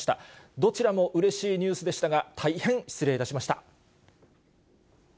どちらもうれしいニュースでしたが、大変失礼いたしました。